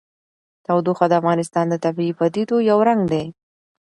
تودوخه د افغانستان د طبیعي پدیدو یو رنګ دی.